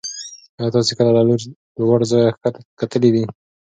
ایا تاسې کله له لوړ ځایه کښته کتلي دي؟